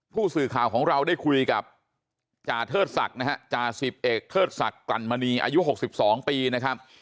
ผู้สื่อข่าวของเราได้คุยกับจาเทศสักนะฮะจาสิบเอกเทศสักกรรมณีอายุหกสิบสองปีนะครับ